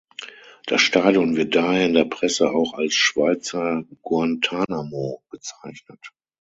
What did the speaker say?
Das Stadion wird daher in der Presse auch als "Schweizer Guantanamo" bezeichnet.